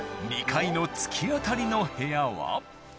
２階の突き当たりの部屋は？